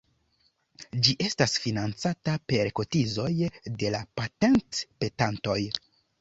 Ĝi estas financata per kotizoj de la patent-petantoj.